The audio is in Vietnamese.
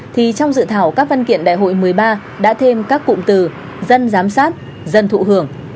thì trong dự thảo các văn kiện đại hội một mươi ba đã thêm các cụm từ dân giám sát dân thụ hưởng